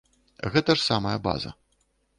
Гэта ж самая база.